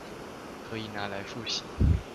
可以拿來複習